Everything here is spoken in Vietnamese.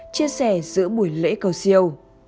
chia sẻ giữa buổi lễ cầu siêu